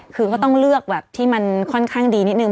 คือก็ต้องเลือกแบบที่มันค่อนข้างดีนิดนึ